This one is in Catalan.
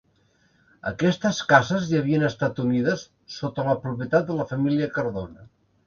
Aquestes cases ja havien estat unides sota la propietat de la família Cardona.